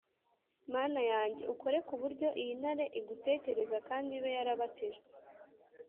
"mana yanjye ukore ku buryo iyi ntare igutekereza kandi ibe yarabatijwe"!